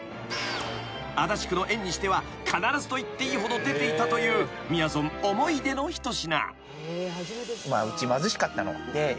［足立区の縁日では必ずといっていいほど出ていたというみやぞん思い出の一品］